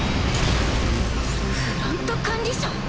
フロント管理者？